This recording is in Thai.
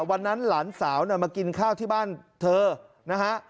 หลานสาวมากินข้าวที่บ้านเธอนะฮะ